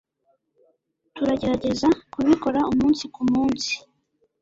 turagerageza kubikora umunsi kumunsi